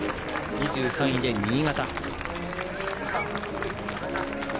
２３位で新潟。